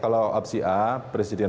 kalau opsi a presiden